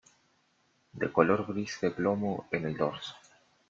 De color gris de plomo en el dorso.